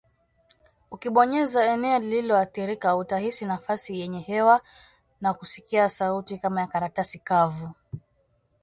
Ukibonyeza eneo lililoathirika utahisi nafasi yenye hewa na kusikia sauti kama ya karatasi kavu